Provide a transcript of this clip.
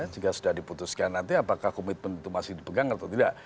jika sudah diputuskan nanti apakah komitmen itu masih dipegang atau tidak